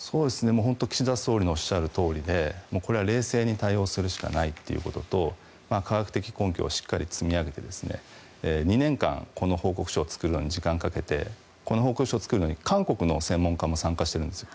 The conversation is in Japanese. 本当に岸田総理のおっしゃるとおりでこれは冷静に対応するしかないということと科学的根拠をしっかり積み上げて２年間、この報告書を作るのに時間をかけてこの報告書を作るのに韓国の専門家も参加しているんですよ。